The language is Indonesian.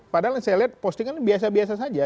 padahal saya lihat postingan biasa biasa saja